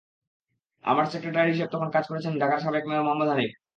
আমার সেক্রেটারি হিসেবে তখন কাজ করেছেন ঢাকার সাবেক মেয়র মোহাম্মদ হানিফ।